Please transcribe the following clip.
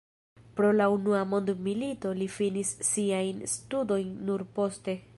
Pro la unua mondmilito li finis siajn studojn nur poste.